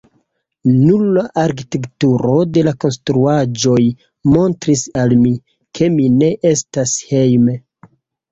Nur la arkitekturo de la konstruaĵoj montris al mi, ke mi ne estas hejme.